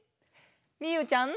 みゆうちゃん。